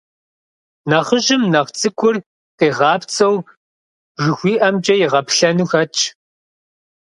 Нэхъыжьым нэхъ цӏыкӏур, къигъапцӏэу, жыхуиӏэмкӏэ игъэплъэну хэтщ.